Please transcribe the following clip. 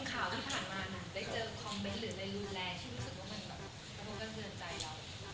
ที่พิสูจน์ที่คนเพิ่งกำเยือนใจเรา